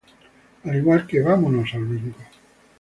Al igual que "¡Vámonos al bingo!